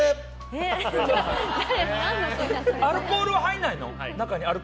アルコールは入らないの？